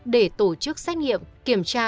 để tổ chức xét nghiệm kiểm tra